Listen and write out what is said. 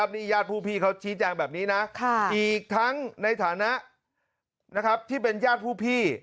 นี่ญาติผู้พี่เขาชี้แจงแบบนี้นะอีกทั้งในฐานะที่เป็นญาติผู้พี่